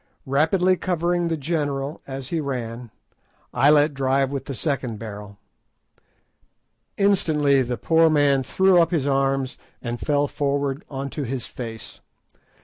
Rapidly covering the general as he ran, I let drive with the second barrel. Instantly the poor man threw up his arms, and fell forward on to his face.